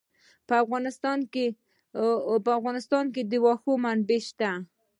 په افغانستان کې د اوښ منابع شته.